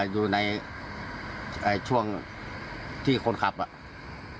อยู่ในช่วงที่คนขับอ่ะ